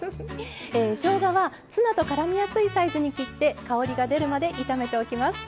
しょうがはツナとからみやすいサイズに切って香りが出るまで炒めておきます。